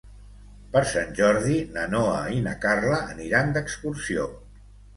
Per Sant Jordi na Noa i na Carla aniran d'excursió.